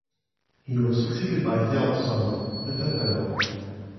He was succeeded by his eldest son, the fifth Earl.